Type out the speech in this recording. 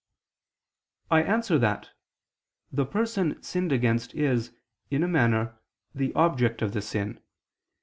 I answer that, The person sinned against is, in a manner, the object of the sin.